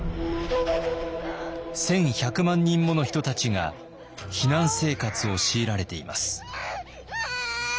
１，１００万人もの人たちが避難生活を強いられています。